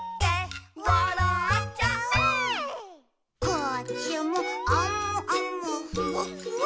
「こっちもあむあむふわっふわ」